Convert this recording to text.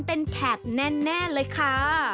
เป็นแขกแน่นแน่เลยค่ะ